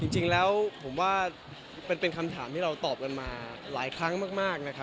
จริงแล้วผมว่าเป็นคำถามที่เราตอบมามาก